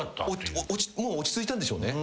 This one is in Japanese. もう落ち着いたんでしょうね。